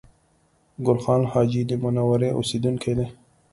ګل خان حاجي د منورې اوسېدونکی دی